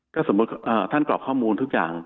ก็สมมุติท่านกรอกข้อมูลทุกอย่าง